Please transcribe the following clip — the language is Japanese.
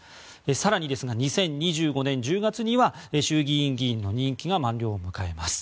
更にですが２０２５年１０月には衆議院議員の任期が満了を迎えます。